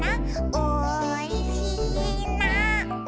「おいしいな」